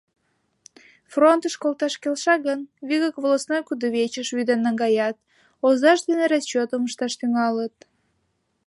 Фронтыш колташ келша гын, вигак волостной кудывечыш вӱден наҥгаят, озаж дене расчётым ышташ тӱҥалыт.